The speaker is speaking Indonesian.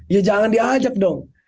ya jangan diajak dong